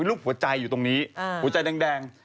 ดูตรงนี้หัวใจแดง